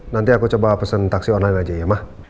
nanti aku coba pesen taksi online aja ya mah